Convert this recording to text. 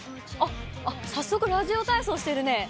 あっ、早速ラジオ体操してるね。